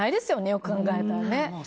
よく考えたら。